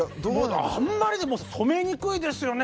あんまりでも染めにくいですよね。